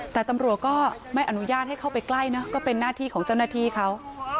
แต่ตำรวจก็ไม่อนุญาตให้เข้าไปใกล้เนอะก็เป็นหน้าที่ของเจ้าหน้าที่เขา